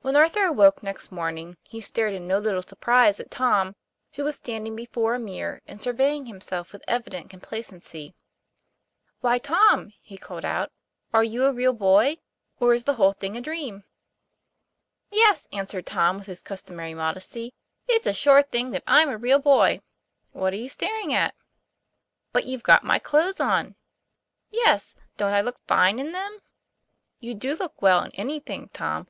WHEN Arthur awoke next morning, he stared in no little surprise at Tom, who was standing before a mirror and surveying himself with evident complacency. ' Why, Tom !' he called out, " are you a real boy ? or is the whole thing a dream ?"" Yes, " answered Tom, with his customary modesty, ' it's a sure thing that I'm a real boy. What are you staring at ?' "But you've got my clothes on." ' Yes ; don't I look fine in them ?"' You'd look well in anything, Tom.